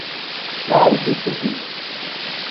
Where is this City?